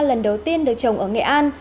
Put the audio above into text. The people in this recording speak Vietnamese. lần đầu tiên được trồng ở nghệ an